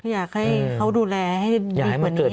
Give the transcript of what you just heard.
อยากให้เขาดูแลให้ดี